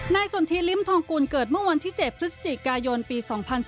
สนทิลิ้มทองกุลเกิดเมื่อวันที่๗พฤศจิกายนปี๒๔